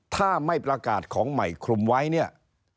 ถ้าไม่ประกาศของใหม่คลุมไว้เนี่ย